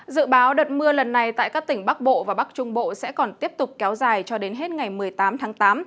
dự báo đợt mưa lần này tại các tỉnh bắc bộ và bắc trung bộ sẽ còn tiếp tục kéo dài cho đến hết ngày một mươi tám tháng tám